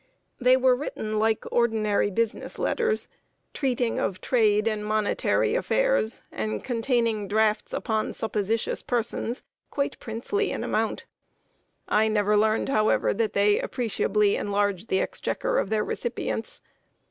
They were written like ordinary business letters, treating of trade and monetary affairs, and containing drafts upon supposititious persons, quite princely in amount. I never learned, however, that they appreciably enlarged the exchequer of their recipients.